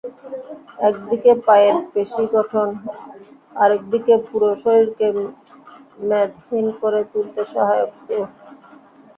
একদিকে পায়ের পেশি গঠন, আরেকদিকে পুরো শরীরকে মেদহীন করে তুলতে সহায়ক দৌড়।